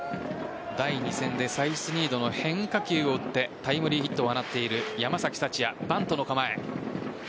第２戦でサイスニードの変化球を打ってタイムリーヒットを放っている山崎福也バントの構え。